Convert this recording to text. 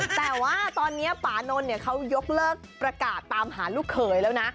แต่ว่าตอนนี้ปานนท์เนี่ยเขายกเลิกประกาศตามหาลูกเขยแล้วนะ